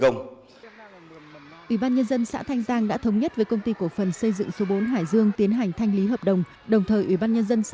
ủy ban nhân dân xã thanh giang đã thống nhất với công ty cổ phần xây dựng số bốn hải dương